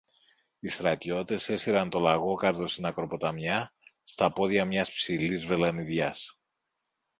Οι στρατιώτες έσυραν τον Λαγόκαρδο στην ακροποταμιά, στα πόδια μιας ψηλής βαλανιδιάς.